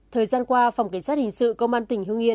thời gian qua phòng cảnh sát hình sự công an tỉnh hương yên